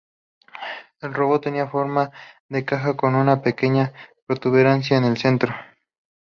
El robot tenía forma de caja con una pequeña protuberancia en el centro.